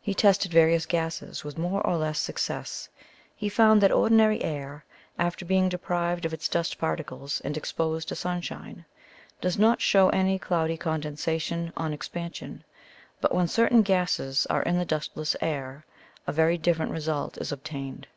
He tested various gases, with more or less success. He found that ordinary air, after being deprived of its dust particles and exposed to sunshine, does not show any cloudy condensation on expansion; but, when certain gases are in the dustless air, a very different result is obtained.